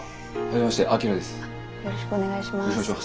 よろしくお願いします。